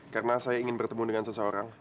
karena saya ingin bertemu dengan seseorang